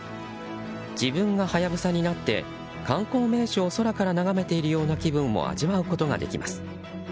自分がハヤブサになって観光名所を空から眺めているような気分を味わうことができます。